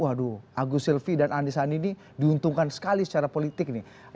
waduh agus silvi dan anisandi nih diuntungkan sekali secara politik nih